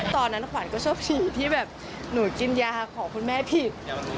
ตอนนั้นขวัญก็ชอบฉี่ที่แบบหนูกินยาของคุณแม่ผิด